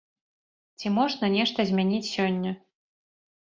Ці можна нешта змяніць сёння?